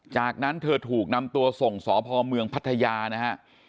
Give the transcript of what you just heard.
จากนั้นเธอถูกนำตัวส่งสพเมืองพัทยานะฮะ